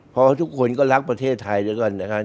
เพราะทุกคนก็รักประเทศไทยด้วยกันนะครับ